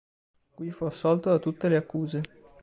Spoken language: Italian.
Qui fu assolto da tutte le accuse.